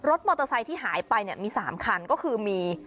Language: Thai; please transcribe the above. รถมอเตอร์ไซค์ที่หายไปเนี่ยมี๓คันก็คือมี